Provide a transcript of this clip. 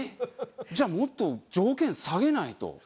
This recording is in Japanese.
じゃあもっと条件下げないと。